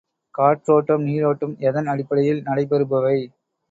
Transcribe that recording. காற்றோட்டம், நீரோட்டம் எதன் அடிப்படையில் நடை பெறுபவை?